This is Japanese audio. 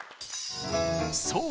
そう！